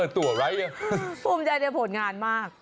ตัวไรภูมิใจด้วยผลงานมาก